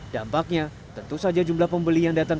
dampaknya tentu saja jumlah pembeli yang datang